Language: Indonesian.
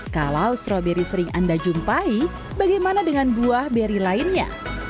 kalau stroberi sering anda jumpai bagaimana dengan buah beri lainnya